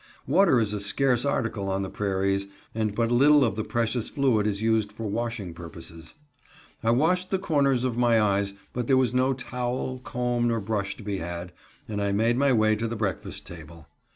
Water is a scarce article on the prairies and but little of the precious fluid is used for washing purposes. I washed the corners of my eyes, but there was no towel, comb nor brush to be had, and I made my way to the breakfast table.